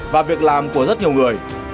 và việc làm của rất nhiều người